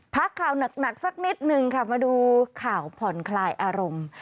พักข่าวหนักสักนิดนึงค่ะมาดูข่าวผ่อนคลายอารมณ์